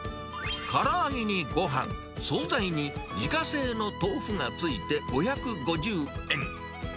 から揚げにごはん、総菜に自家製の豆腐が付いて５５０円。